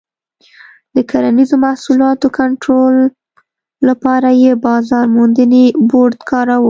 د کرنیزو محصولاتو کنټرول لپاره یې بازار موندنې بورډ کاراوه.